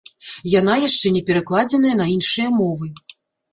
Яна яшчэ не перакладзеная на іншыя мовы.